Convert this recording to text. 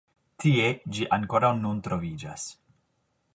Tie ĝi ankoraŭ nun troviĝas.